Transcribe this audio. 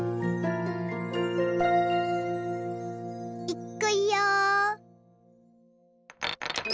いくよ。